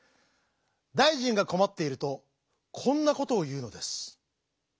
だいじんがこまっているとこんなことをいうのです。